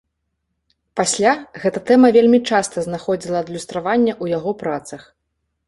Пасля гэта тэма вельмі часта знаходзіла адлюстраванне ў яго працах.